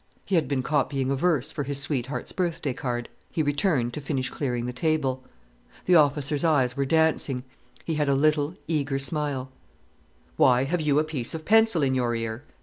He had been copying a verse for his sweetheart's birthday card. He returned to finish clearing the table. The officer's eyes were dancing, he had a little, eager smile. "Why have you a piece of pencil in your ear?"